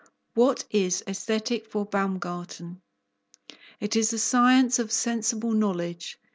What is Aesthetic for Baumgarten? It is the science of sensible knowledge.